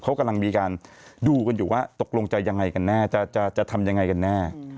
เขากำลังมีการดูกันอยู่ว่าตกลงจะยังไงกันแน่จะทำยังไงกันแน่